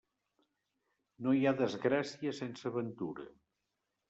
No hi ha desgràcia sense ventura.